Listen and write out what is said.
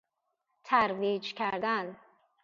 ترویج کردن